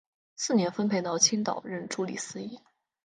次年分配到青岛任助理司铎。